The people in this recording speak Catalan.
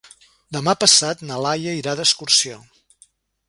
Demà passat na Laia irà d'excursió.